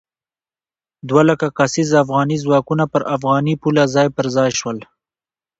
دوه لک کسیز افغاني ځواکونه پر افغاني پوله ځای پر ځای شول.